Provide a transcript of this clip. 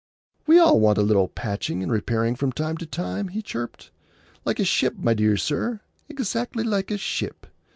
"We all want a little patching and repairing from time to time," he chirped. "Like a ship, my dear sir,—exactly like a ship.